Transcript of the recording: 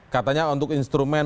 katanya untuk instrumen